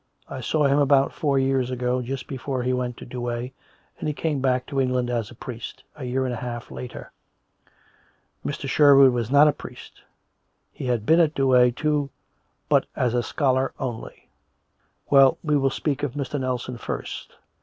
I saw him about four years ago just before he went to Douay, and he came back to England as a priest, a year and a half after. Mr. Sherwood was not a priest; he had been at Douay, too, but as a scholar only. .,. Well, we will speak of Mr. Nelson first.